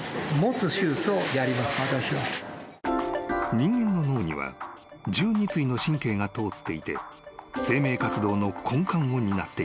［人間の脳には１２対の神経が通っていて生命活動の根幹を担っている］